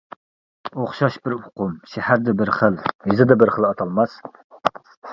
ئوخشاش بىر ئۇقۇم شەھەردە بىر خىل يېزىدا بىر ئاتالماس.